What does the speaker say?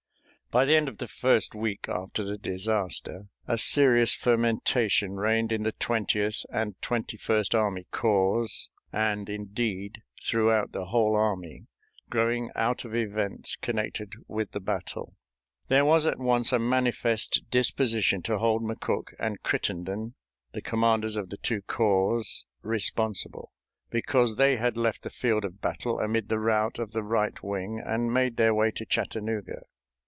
By the end of the first week after the disaster a serious fermentation reigned in the Twentieth and Twenty first Army Corps, and, indeed, throughout the whole army, growing out of events connected with the battle. There was at once a manifest disposition to hold McCook and Crittenden, the commanders of the two corps, responsible, because they had left the field of battle amid the rout of the right wing and made their way to Chattanooga.